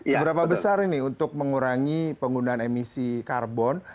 seberapa besar ini untuk mengurangi penggunaan emisi karbon